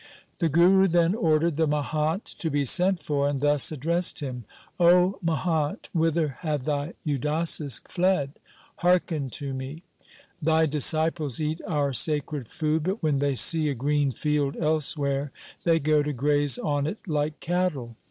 The Guru then ordered the mahant to be sent for, and thus addressed him :' O mahant, whither have thy Udasis fled ? Hearken to me. Thy disciples eat our sacred food, but when they see a green field elsewhere, they go to graze on it like cattle.